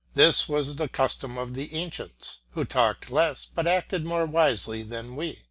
This was the custom of the ancients, who talked less but acted more wisely than we.